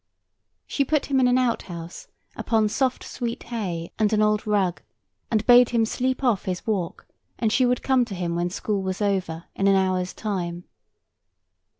She put him in an outhouse upon soft sweet hay and an old rug, and bade him sleep off his walk, and she would come to him when school was over, in an hour's time.